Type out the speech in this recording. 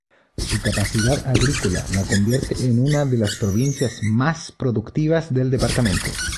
Su capacidad agrícola la convierte en una de las provincias más productivas del departamento.